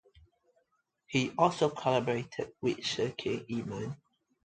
He also collaborated with Sheikh Imam.